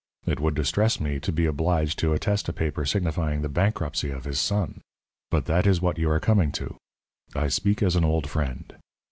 It would distress me to be obliged to attest a paper signifying the bankruptcy of his son. But that is what you are coming to. I speak as an old friend.